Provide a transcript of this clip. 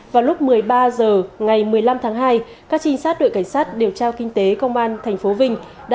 vào lúc một mươi ba h ngày một mươi năm tháng hai các trinh sát đội cảnh sát điều tra kinh tế công an tp vinh đã